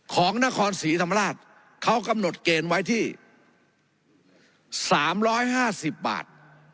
ของนครศรีธรรมราชเขากำหนดเกณฑ์ไว้ที่๓๕๐บาท